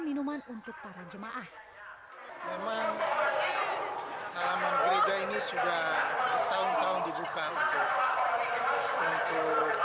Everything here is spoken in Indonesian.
minuman untuk para jemaah memang halaman gereja ini sudah bertahun tahun dibuka untuk untuk